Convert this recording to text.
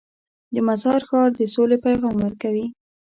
د مزار ښار د سولې پیغام ورکوي.